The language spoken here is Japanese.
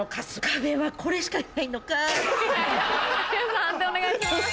判定お願いします。